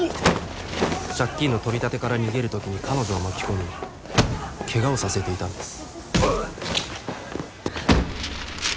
借金の取り立てから逃げるときに彼女を巻き込みケガをさせていたんです。